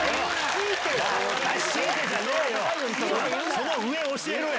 その上教えろや！